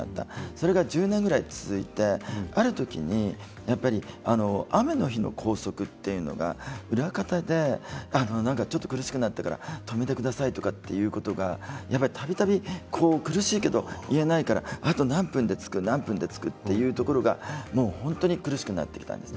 それが１０年ぐらい続いてある時に雨の日の高速というのが裏方でちょっと苦しくなったから止めてくださいということがたびたび苦しいけど言えないからあと何分で着くというところが本当に苦しくなってきたんです。